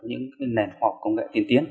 những nền khoa học công nghệ tiên tiến